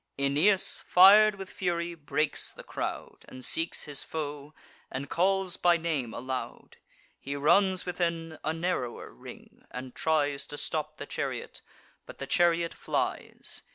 Aeneas, fir'd with fury, breaks the crowd, And seeks his foe, and calls by name aloud: He runs within a narrower ring, and tries To stop the chariot; but the chariot flies.